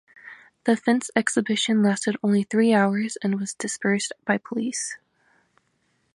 The fence exhibition lasted only three hours and was dispersed by police.